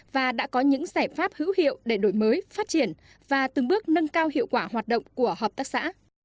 và đã có những giải pháp hữu hiệu để đổi mới phát triển và từng bước nâng cao hiệu quả hoạt động của hợp tác xã